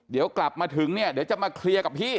เดี๋ยวกลับมาถึงเนี่ยเดี๋ยวจะมาเคลียร์กับพี่